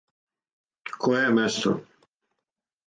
Које је место?